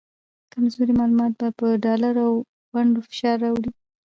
کمزوري معلومات به په ډالر او ونډو فشار راوړي